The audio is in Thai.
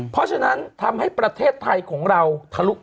เพราะฉะนั้นทำให้ประเทศไทยของเราทะลุไป